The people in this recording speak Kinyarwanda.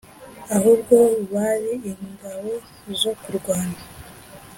ahubwo bari ingabo zo kurwana